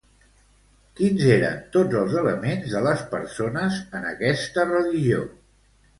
Quins eren tots els elements de les persones en aquesta religió?